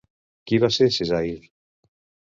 Qui va ser Cessair?